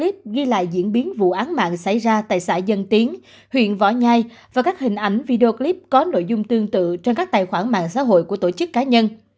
tuy nhiên vụ án mạng xảy ra tại xã dân tiến huyện võ nhai và các hình ảnh video clip có nội dung tương tự trong các tài khoản mạng xã hội của tổ chức cá nhân